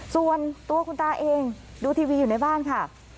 ส่วนตัวคุณตาเองดูทีวีอยู่ในบ้านค่ะ